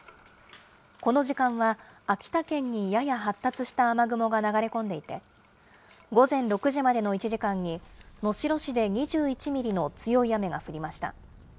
この時間は、秋田県にやや発達した雨雲が流れ込んでいて、午前６時までの１時間に能代市で２１ミリの強い雨が降りました。